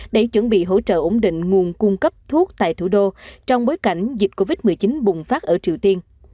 để chuẩn bị hỗ trợ ổn định nguồn cung cấp thuốc tại thủ đô trong bối cảnh dịch covid một mươi chín bùng phát ở triều tiên